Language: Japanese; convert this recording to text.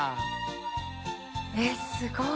えっすごい。